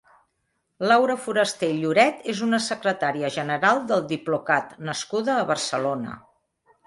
Laura Foraster i Lloret és una secretària general del Diplocat nascuda a Barcelona.